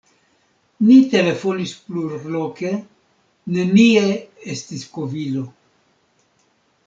Ni telefonis plurloke: nenie estis kovilo.